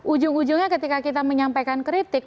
ujung ujungnya ketika kita menyampaikan kritik